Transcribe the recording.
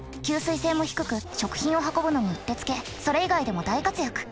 吸水性も低く食品を運ぶのにうってつけそれ以外でも大活躍。